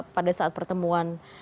pada saat pertemuan